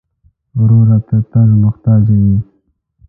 ورور ته تل محتاج یې.